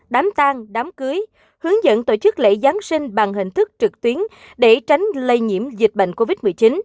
đám tang đám cưới hướng dẫn tổ chức lễ giáng sinh bằng hình thức trực tuyến để tránh lây nhiễm dịch bệnh covid một mươi chín